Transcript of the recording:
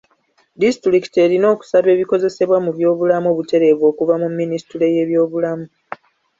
Disitulikiti erina okusaba ebikozesebwa mu by'obulamu butereevu okuva mu minisitule y'ebyobulamu.